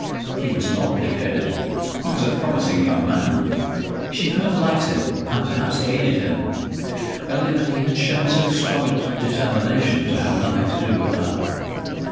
He was not pigheaded; he was a promising young man; she could have liked him and perhaps aided him, only that he had shown so strong a determination to have nothing to do with her.